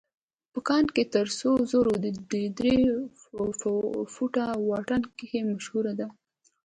په کان کې تر سرو زرو د درې فوټه واټن کيسه مشهوره ده.